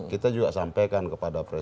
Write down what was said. kita juga sampaikan kepada presiden